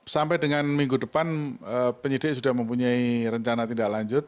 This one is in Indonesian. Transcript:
sampai dengan minggu depan penyidik sudah mempunyai rencana tindak lanjut